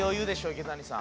池谷さん！